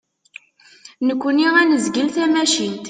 Nekni ad nezgel tamacint.